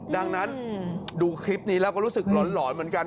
ดังนั้นดูคลิปนี้แล้วก็รู้สึกหลอนเหมือนกัน